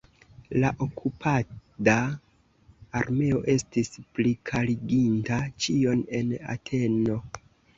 La okupada armeo estis plikariginta ĉion en Ateno.